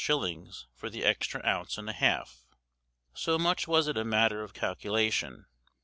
_ for the extra ounce and a half, so much was it a matter of calculation.